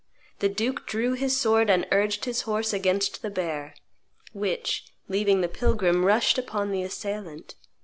The duke drew his sword and urged his horse against the bear, which, leaving the pilgrim, rushed upon the assailant.